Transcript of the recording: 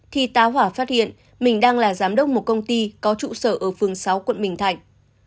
thì tá hỏa phát hiện mình đang là giám đốc một công ty có trụ sở ở phường sáu quận bình thạnh